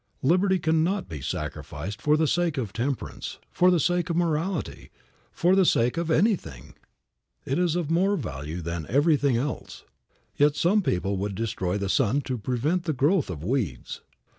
Liberty cannot be sacrificed for the sake of temperance, for the sake of morality, or for the sake of anything. It is of more value than everything else. Yet some people would destroy the sun to prevent the growth of weeds.